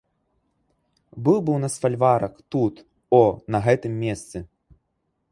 Быў бы ў нас фальварак, тут, о, на гэтым месцы.